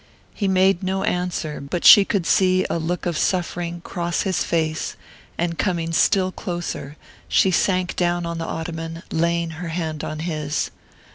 He made no answer, but she could see a look of suffering cross his face, and coming still closer, she sank down on the ottoman, laying her hand on his.